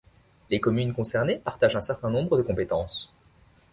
Les communes concernées partagent un certain nombre de compétences.